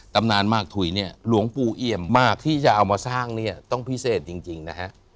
ตำนานมากถุยเนี่ยหลวงปู่เอี่ยมมากที่จะเอามาสร้างเนี่ยต้องพิเศษจริงนะฮะ